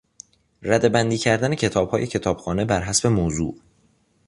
رده بندی کردن کتابهای کتابخانه بر حسب موضوع